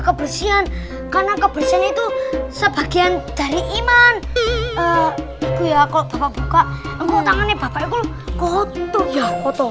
kebersihan karena kebersihan itu sebagian dari iman itu ya